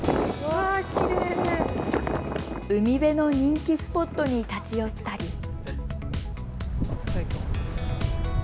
海辺の人気スポットに立ち寄ったり。